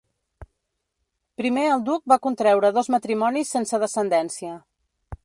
Primer el duc va contreure dos matrimonis sense descendència.